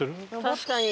確かに。